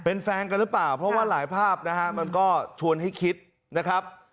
เป็นแฟนกันหรือเปล่าเพราะว่าหลายภาพนะฮะมันก็ชวนให้คิดนะครับ